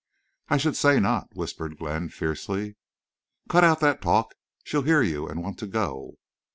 "I should say not!" whispered Glenn, fiercely. "Cut out that talk. She'll hear you and want to go."